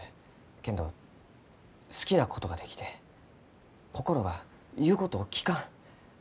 けんど好きなことができて心が言うことを聞かん。